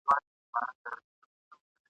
چي په کوڅو کي ګرځي ناولي ..